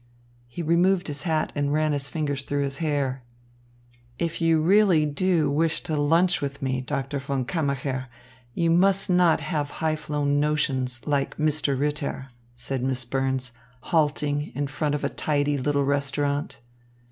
He removed his hat and ran his fingers through his hair. "If you really do wish to lunch with me, Doctor von Kammacher, you must not have high flown notions, like Mr. Ritter," said Miss Burns halting in front of a tidy little restaurant.